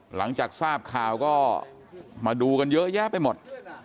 หลังจากทราบข่าวก็มาดูกันเยอะแยะไปหมด